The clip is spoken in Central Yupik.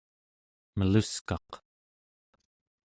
meluskaq